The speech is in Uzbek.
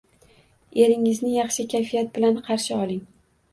Eringizni yaxshi kayfiyat bilan qarshi oling.